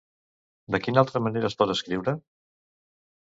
De quina altra manera es pot escriure?